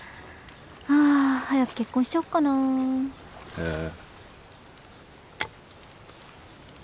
あ早く結婚しちゃおっかな。へえ。